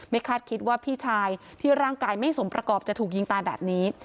คาดคิดว่าพี่ชายที่ร่างกายไม่สมประกอบจะถูกยิงตายแบบนี้